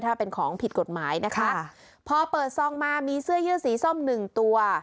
ถ้าเป็นของผิดกฎหมายนะคะพอเปิดซองมามีเสื้อยืดสีส้มหนึ่งตัว